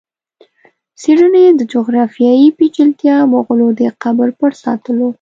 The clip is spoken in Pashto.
څېړني یې د جغرافیایي پېچلتیا، مغولو د قبر پټ ساتلو